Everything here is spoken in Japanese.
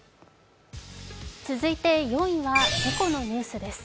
続いて４位は事故のニュースです。